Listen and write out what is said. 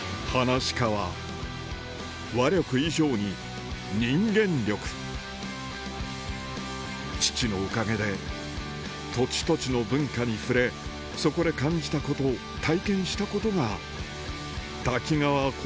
話力以上に父のおかげで土地土地の文化に触れそこで感じたこと体験したことが瀧川鯉